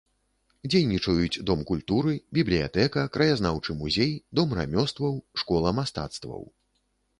Дзейнічаюць дом культуры, бібліятэка, краязнаўчы музей, дом рамёстваў, школа мастацтваў.